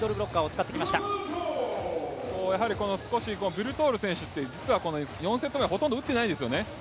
ビュルトール選手って４セット目はほとんど打っていないんですよね。